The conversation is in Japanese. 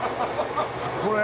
これ。